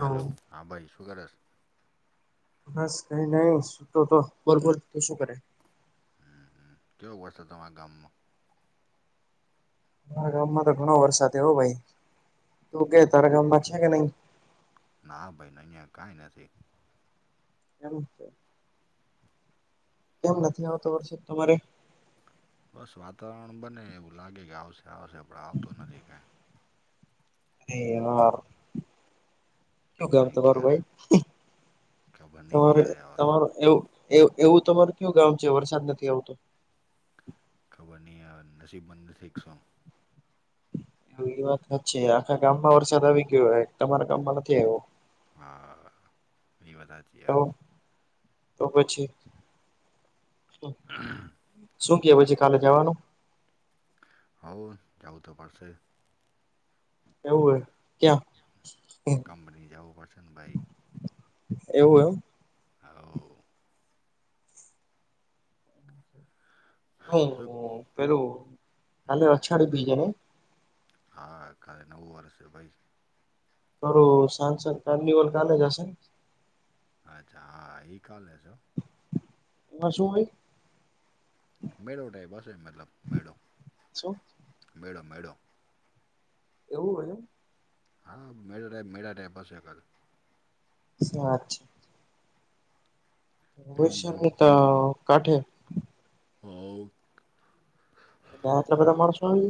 તો હલો હા ભાઈ શું કરશ. બસ કઈ નહી સુટતો તો બરોબર તો શું કરે. ના ના કેવ વર્ષ તમામે ગામમાં. તાર ગામમાં તો ઘણો વરસાદવ ભાઈ તું કે બઉ તારા ગામમાં છે કે નહી. ના ભાઈ ન અહીં કઈ નથી એમ છે એમ નથી આવતો વર્ષે તમારે બસ વાતાવરણ બને એવું લાગે કે આવશે આવશે આપણે આવતું નથી કં એ હ કયો ખબર ગામ નહીં તમારુ ક્યારે ભાઈ ખબર નહીં તમારે ક્યારે આવશે તમારું એવું એવું તમારું કયુ ગામ છે વરસાદ નથી આવતો ખબરની નસીબંધ નથી કે શુ એ વાત છે આખા ગામમાં વરસાદ આવી ગયો તમારા ગામમાં નથી આવ્યો હા એ વાત સાચી તો તો પછી શું ક પછી કાલે જવાનું હઉ જાઉ તો પારસે એવું હ કામપની જાવ પડશે ને ભાઈ એવું એમ હ હ શું પેલું હમ કા અછાડી બીજને હા કારે નવું વર્ષ ભાઈ કર સાનસન કાર્નિવલ કાલેશેન અચ્છા હા એ કાલે છો એમાં શું હોય મેળો ટાઈપ હશે મતલબ મેળો શું મેડો મેડો એવું હય હા મેળા મેળા ટાઈપ હશે એકાદુ સાચ છે એ ઉસ જ ને જૂની તો કાઠે [inaudible] [unintelligible] એટલા બધા માણસોઓય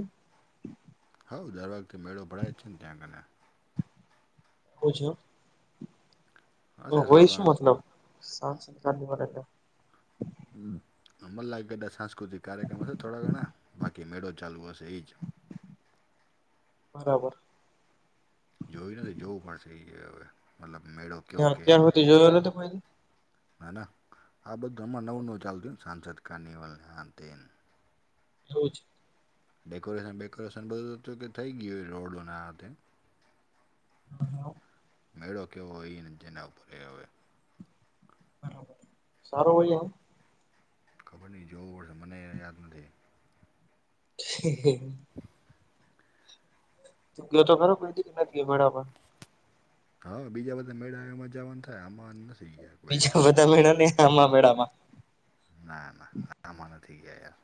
હા [unintelligible] [unintelligible] હશે થોડા હોય શું ઘણા મતલબ સાંસ્કૃતિક કાર્યક્રમ હશે થોડા ઘણા બાકી મેળો ચાલુ હશે એજ બરાબર જોય નથી જોવું પડશે એ હવે મતલબ મેળો કેવો ત્યાં કે એમ અત્યાં સુધી જોયે [unintelligible] ના ના આ બધું આમાં નવું નવું ચાલતું સાંસદ કાર્નિવલને આંતને એવું છે ડેકોરેશન બેકોરેશન બધું હતું કે થઈ ગયું હો રોડો ના હાથે [inaudible] મેળો કેવો હોયને જેના ઉપર હવે બરાબર સારો હોય એમ ખબર ની જોવું પડહે મને યાદ નથી [inaudible] [inaudible] તું ગયો [unintelligible] હા બીજા બધા મેળા મજાવાનું થાય આ બીજા બધા મેળા ને આમાં મેળામાં ના ના આમાં નથી ગીયા યાર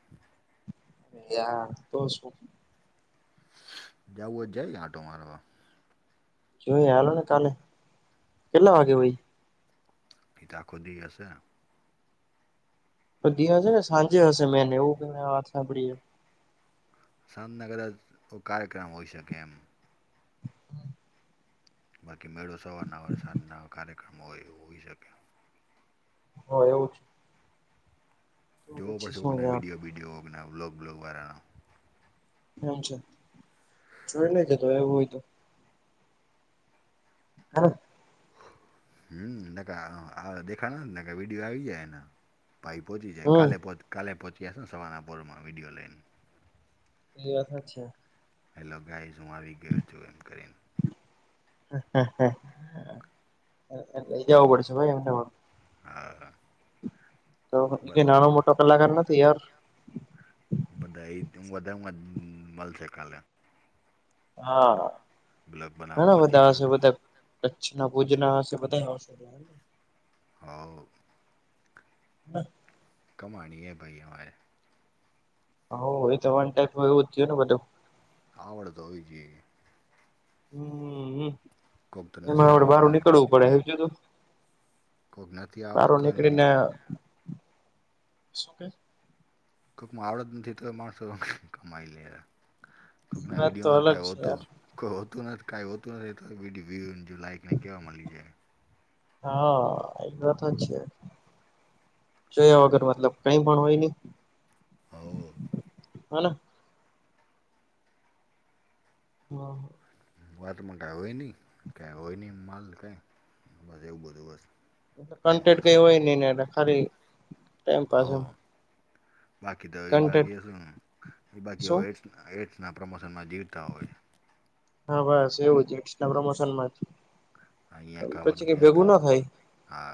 યાર તો શું જાય આંટો મારવા જોએ આલોને કાલે કેટલા વાગે હોઈ ઈતો આખો દી હશે બધી હશે ને સાંજે હશે મેને એવું વાત સાંભળીએે કાર્યક્રમ હોઈ, શકે એમ બાકી મેળો સવારના હોય, સાંજના કાર્યક્રમ હોય એ હોઈ શકે હ એવુ જોવો પડશે શું કોકના યાર વિડીયો વિડીયો બ્લોગ બ્લોગ વાળાના એમ છે જોઈ, ને જતો એવુ હોય તો [inaudible] હમ વિડીયો આવી જાય એના ભાઈ પોંચી જાય, હમ કાલે પોચી કાલે પોચીયાસ સવારના પોરમાં વિડીયો લઈ ને એ હેલો ગાઈસ હુ આવી ગયો છુ, એમ કરીને [unintelligible] આ તો નાનો મોટો કલાકાર નથી યાર બધા એ વધારે મલશે કાલે હા બ્લોગ બનાવ ઘણા પહોંચી બધા આવે હશે, ને બધા કચ્છના ભુજના હશે બધાશેને હોવ [inaudible] કમાણીએ ભાઈ બધુ [unintelligible] હમ કોક તો એમાં નથી આપડે બહાર આવડ નીકળવું પડે કોકના બાર નીકળીને શું કે કોઈકમાં આવડત નથી, તો માણસો કમાઈ લે એ કપના વાત તો વિડિયોમાં ક અલગ છે હતુ યાર કોઈ હોતું નથી કાંઈ હોતુ નથી, તો વ્યુને જો લાઈકને કહેવા મળી જાય હા એ વાત જ છે, જોયા વગર મતલબ કઈ મ હોય ને હો હના હા હ વાતમાં ક હોય નહ ક હોય, નહી માલ કઈ બસ એવું બધું બસ કોન્ટે ક ટાઈમપાસ હોય નહી ને ખ ટમ પા એ હો બાકી તો વિભાગીય છે, વિભાાગીય શું હોય. એડ્સના પ્રમોશનમાં જીવતા હોય હા, બસ એવું જ એકસ્ટા પ્રમોશનમાં જ અહીંયા પછી ખાવાનું ક ગયા હતા ભેગુના થાય. હા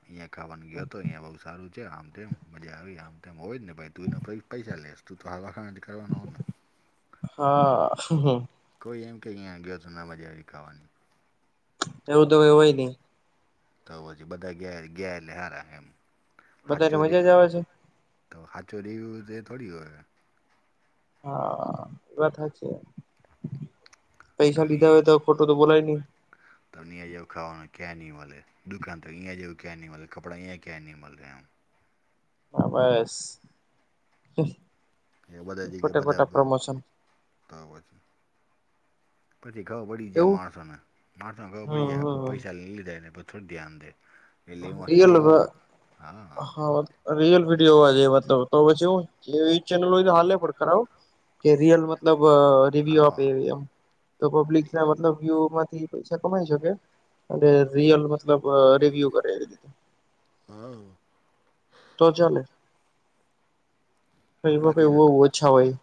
અહંયા ખાવા ગયો હતો અહીિયાયા બઉુ સારુ છે, આમ તેમ મજા આવી આમ તેમ હોય જ ને તું પૈસા લેસ ત તો હ વાખાણાથી કરવાનો હો, ને હા કોઈ એમ કે અહીંયા ગયો, તો ના મજા આવી ખાવાની એવું તો કે હોય નહી તો પછી બધા ગયા ગયા, લ હાર એમ હા બધાને ચોરી મજા જ આવે છે તો સાચો રિવ્યુ તો એ થોડી હોય. હા એ વાત હ છે, પૈસા લીધા હોય તો ખોટો તો બોલાય નહી. તો અહીંયા જેવુ ખવાનું ક્યા ની મળે દુકાન તો જેવું ક્યા ન મળે કપડા ક્યા નહી મળે આમ. હા બસ [unintelligible] એ બધા જગ્યા ખોટા બધા ખોટા પ્રમોશન આપતા ત [unintelligible] પછી ખબર પડી જાય એવું માણસોને માણસોને ખબર પડી હમ જાય હમ પૈસા લીધે એ બધ [unintelligible] રિયલમાં હા. રિયલ વિડીયો એવા તો તો પછી એ એવી ચેનલ હોય તો હાલે પણ ખરાબ કે રિયલ મતલબ રિવ્યુ હા આપેવી એમ. તો પબ્લિક ના મતલબ વ્યુ માંથી પૈસા કમાઈ શકે અને રિયલ મા મતલબ રિવ્યુ કર હા. તો ચાલે. એમાં કઈ બાકી રગ બહુ ઓછા હોય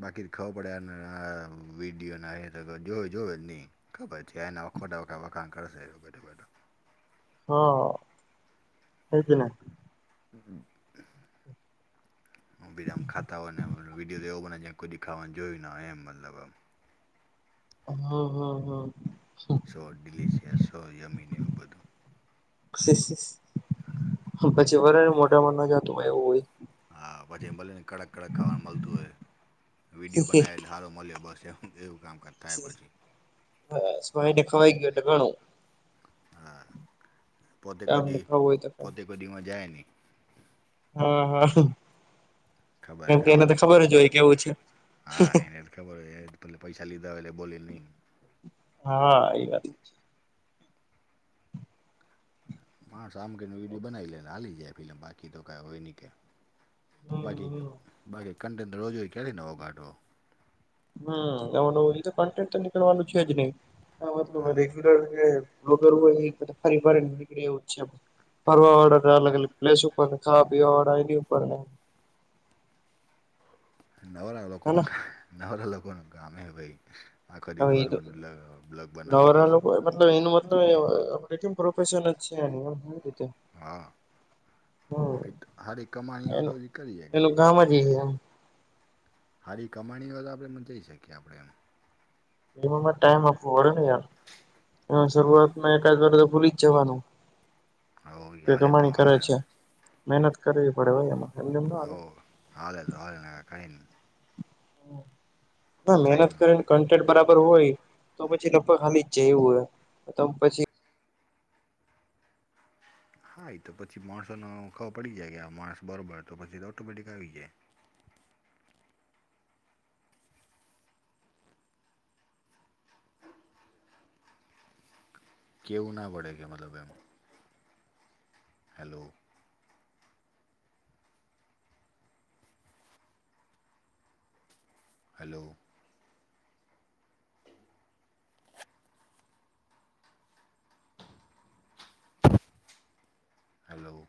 બાકી તો ખબર પડે અને આ વિડીયોના હ તો જોવે જોવે જ નહીં. ખબર છે એના વખોટ વખા વખાણ કરશે બું બું. હા તેજ ને. હમ્મ. હ બીજામ ખાતા હોય ને વિડીયો તો એવો બને કોઈ દે ખાવાને જોય એમ મતલબ આમ. હા હા હા. સો ડિલિશિયસ હોય યમ્મીને બધું. [unintelligible] પછી વરા મોઢામાં ન જતું હોય એવું. હોય હા ભજે ભલેને કડક કડક ખવાનું મળતું હોય. વિડીયો બનાવેલ સારો મળ્યો બસ એ એવું કામ કર [unintelligible] ભાઈને ખવાઈ ગટ ઘણું. હા પોતે કો આમને દી ખાવું હોય તો ખાય. પોતે કો દી માં જાય ની. હા હા ખબર હે કેમ કે એને તો ખાવાનું ખબર જ હોય કેવું છે. હા એને તો ખબર જ હો એ પલે પૈસા લીધા હોય એટલે બોલે નહી. હા એ વાત [unintelligible] માં શામ કરીનો વિડીયો બનાવી લેને હાલી જાય ફિલ્મ બાકી તો કઈ હોય ની કે. હમ બાકી હમ. બાકી [unintelligible] રોજ હોય ક્યારે નવો કાઢો. હમ્મ એમાં તો કન્ટન્ટ તો નીકળવાનું છે જ નહી મતલબ હા રેગ્યુલર જે વગર હો એ ફરી ફરી ને નીકળે એવુ છે ફરવા વાળા તો અલગ અલગ પ્લેસ ઉપર ને ખા ભી આઈની ઉપર નવારા લોકો નું હેના નવારા લોકો નું કામે ભાઈ. આખો દી હવે એ તો ફરવુંને બ્લગ બનાવવા શું [unintelligible] એનું તો એવા [unintelligible] ફેશન છે એની એમ કઈ રીતે. હા હમ હારી કમાણીઓ તો એનું બી કરીએ ને. એનું કામ જ એ એમ હરી કમાણી હો તો આપણે મ જઈ શકીએ આપણે એમ. એમાં માં ટાઈમ આપું વડે ને યાર. એના શરૂઆતમાં એકદ વાર તો ભૂલી જવાનું. હવ કે હાલે તો કમાણી કરે હાલે છે મહેનત કરવી પડે હોય એમાં. એમને એમ ના હાલે ઓ હાલે તો હલે ને કઈ નહીં. ના મહેનત સાઈડમાં કરે ને કન્ટેન્ટ બરાબર હોય તો પછી લગભગ હાલી જ જાય એવું હોય તો પછી હા એ તો પછી માણસો ન ખબો પડી જાય કે માણસ બરોબર તો પછી તો ઓટોમેટિક આવી જાય. કેવું ના પડે કે મતલબ એમાં હેલો. હલો. હલો.